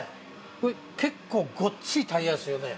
結構ごっついタイヤですよね。